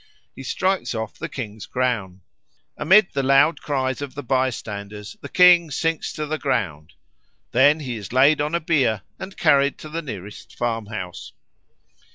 he strikes off the King's crown. Amid the loud cries of the bystanders the King sinks to the ground; then he is laid on a bier and carried to the nearest farmhouse.